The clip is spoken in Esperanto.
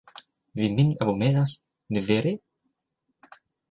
Vi min abomenas, ne vere?